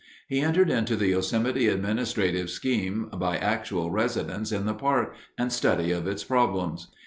He entered into the Yosemite administrative scheme by actual residence in the park and study of its problems.